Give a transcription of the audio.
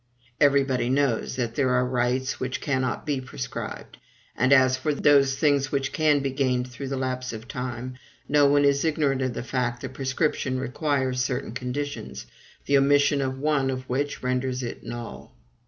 Everybody knows that there are rights which cannot be prescribed; and, as for those things which can be gained through the lapse of time, no one is ignorant of the fact that prescription requires certain conditions, the omission of one of which renders it null.